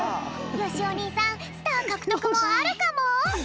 よしお兄さんスターかくとくもあるかも！？